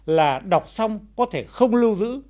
là đọc xong có thể không lưu giữ